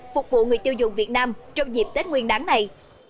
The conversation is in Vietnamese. phục vụ người tiêu dùng việt nam trong dịp tết nguyên đáng này